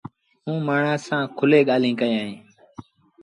موٚنٚ مآڻهآنٚ سآݩٚ کُلي ڳآليٚنٚ ڪئيݩ اهينٚ